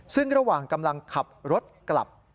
ซึ่งระหว่างกำลังขับรถกลับ